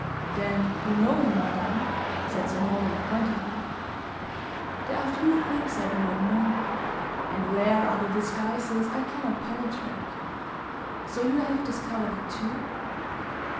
"Then you know him, madame?" said Sir Norman, pointedly. "There are few things I do not know, and rare are the disguises I cannot penetrate. So you have discovered it, too?"